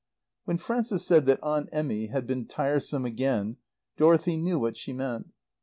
When Frances said that Aunt Emmy had been tiresome again, Dorothy knew what she meant.